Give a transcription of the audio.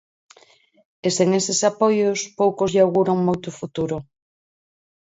E sen eses apoios poucos lle auguran moito futuro.